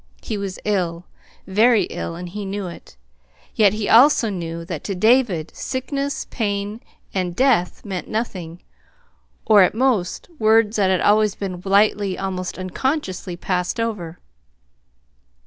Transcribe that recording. He was ill, very ill; and he knew it. Yet he also knew that, to David, sickness, pain, and death meant nothing or, at most, words that had always been lightly, almost unconsciously passed over.